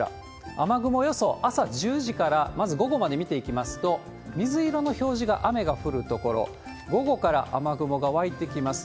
雨雲予想、朝１０時から、まず午後まで見ていきますと、水色の表示が雨が降る所、午後から雨雲が湧いてきます。